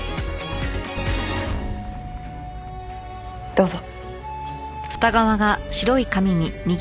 どうぞ。